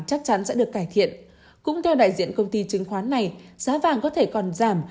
chắc chắn sẽ được cải thiện cũng theo đại diện công ty chứng khoán này giá vàng có thể còn giảm